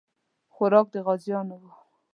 خوراک د غازیانو وو.